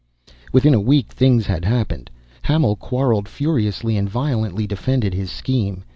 Within a week things had happened. Hamil quarrelled furiously and violently defended his scheme.